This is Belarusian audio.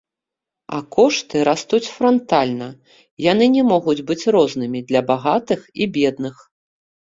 А кошты растуць франтальна, яны не могуць быць рознымі для багатых і бедных.